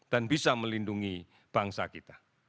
dan bisa melindungi bangsa kita